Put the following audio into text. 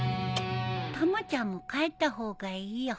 たまちゃんも帰った方がいいよ。